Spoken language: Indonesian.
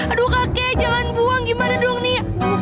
aduh kakek jangan buang gimana dong nih